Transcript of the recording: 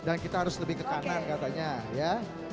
dan kita harus lebih ke kanan katanya ya